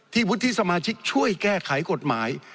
วุฒิสมาชิกช่วยแก้ไขกฎหมาย